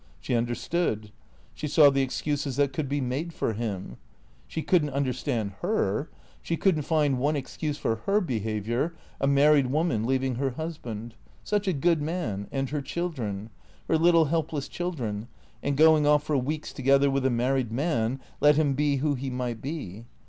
She understood. She saw the excuses that could be made for him. She could n't understand licr; she could n't find one excuse for her behaviour, a married woman, leaving her hus band — such a good man, and her children — her little helpless children, and going off for weeks together with a married man, let him be who he might be.